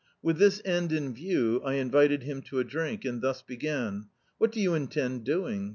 With this end in view, I invited him to a drink, and thus began: "What do you intend doing?